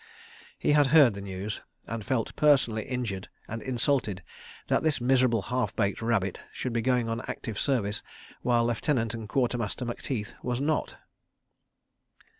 He had heard the news, and felt personally injured and insulted that this miserable half baked rabbit should be going on Active Service while Lieutenant and Quartermaster Macteith was not.